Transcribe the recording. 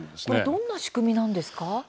どんな仕組みなんですか。